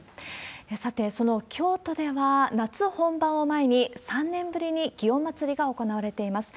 さて、その京都では、夏本番を前に３年ぶりに祇園祭が行われています。